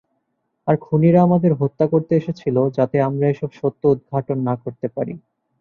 আর খুনিরা আমাদের হত্যা করতে এসেছিল যাতে আমরা এসব সত্য উদঘাটন না করতে পারি।